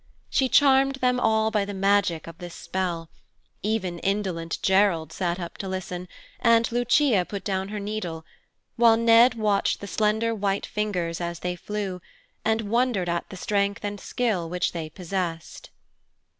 She charmed them all by the magic of this spell; even indolent Gerald sat up to listen, and Lucia put down her needle, while Ned watched the slender white fingers as they flew, and wondered at the strength and skill which they possessed.